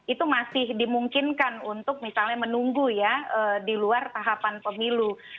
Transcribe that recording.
itu masih dimungkinkan untuk misalnya menunggu ya di luar tahapan pemilu